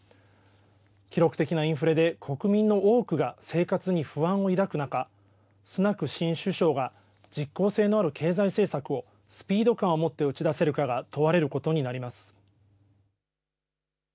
記録的なインフレで国民の多くが生活に不安を抱く中、スナク新首相が実効性のある経済政策をスピード感を持って打ち出せるかが問われることになります。